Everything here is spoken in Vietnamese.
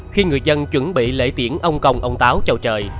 khi người dân chuẩn bị lễ tiễn ông công ông táo chào trời